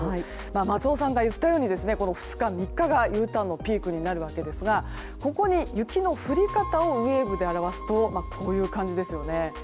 松尾さんが言ったように２日、３日がＵターンのピークになるわけですがここに雪の降り方をウェーブで表すとこういう感じですね。